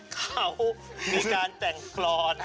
เขามีการแต่งกรอน